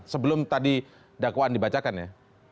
sebelum tadi dakwaan dibacakan ya